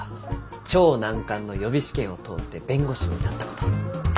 超難関の予備試験を通って弁護士になった事。